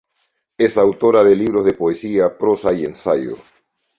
Es autora de libros de poesía, prosa y ensayo.